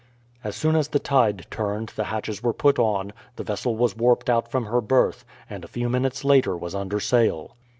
As soon as the tide turned the hatches were put on, the vessel was warped out from her berth, and a few minutes later was under sail.